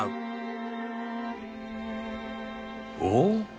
おっ！